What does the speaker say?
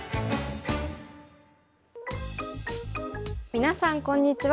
皆さんこんにちは。